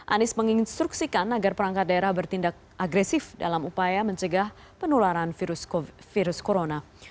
anies menginstruksikan agar perangkat daerah bertindak agresif dalam upaya mencegah penularan virus corona